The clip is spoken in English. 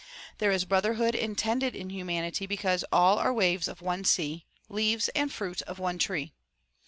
There is brotherhood intended in humanity because all are waves of one sea, leaves and fruit of one tree.